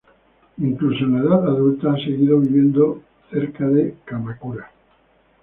Incluso en la edad adulta, ha seguido viviendo en o cerca de Kamakura.